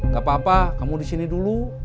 gak apa apa kamu di sini dulu